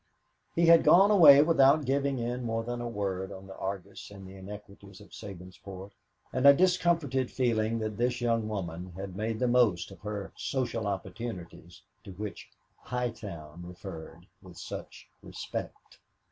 He had gone away without getting in more than a word on the Argus and the iniquities of Sabinsport and a discomforted feeling that this young woman had made the most of her "social opportunities" to which High Town referred with such respect.